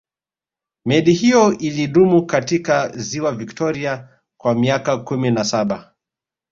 meli hiyo ilidumu katika ziwa victoria kwa miaka kumi na saba